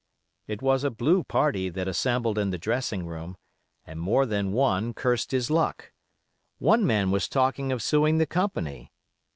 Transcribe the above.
It was a blue party that assembled in the dressing room, and more than one cursed his luck. One man was talking of suing the company.